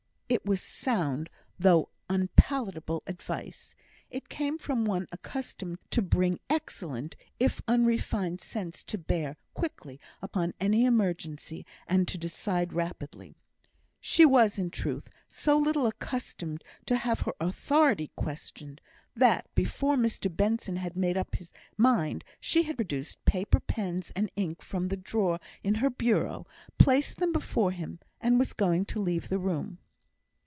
It was good, though unpalatable advice. It came from one accustomed to bring excellent, if unrefined sense, to bear quickly upon any emergency, and to decide rapidly. She was, in truth, so little accustomed to have her authority questioned, that before Mr Benson had made up his mind, she had produced paper, pens, and ink from the drawer in her bureau, placed them before him, and was going to leave the room.